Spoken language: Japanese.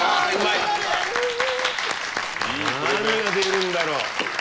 何が出るんだろう。